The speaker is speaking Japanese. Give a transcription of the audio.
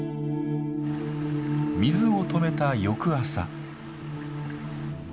水を止めた翌朝。